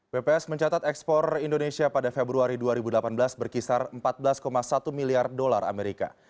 bps mencatat ekspor indonesia pada februari dua ribu delapan belas berkisar empat belas satu miliar dolar amerika